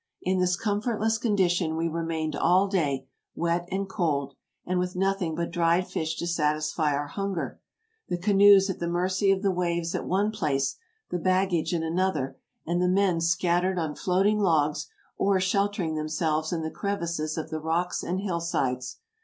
In this comfortless con dition we remained all day, wet and cold, and with nothing but dried fish to satisfy our hunger; the canoes at the mercy of the waves at one place, the baggage in another, and the men scattered on floating logs, or sheltering themselves in the crevices of the rocks and hillsides.